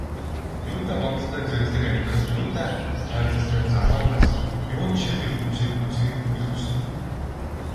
Юутай гомдолтой зэрлэг амьдрал, юутай хайрлалтай залуу нас, юунд шинэ ертөнцийг үзэхийг үл хүснэ.